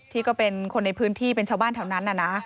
ที่ก็เป็นคนในพื้นที่เป็นชาวบ้านแถวนั้นนะ